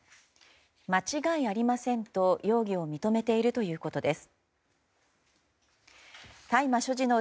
間違いありませんと、容疑を認めているということです。